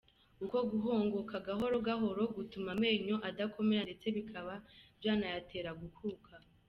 Uku guhongoka gahoro gahoro gutuma amenyo adakomera ndetse bikaba byanayatera gukuka.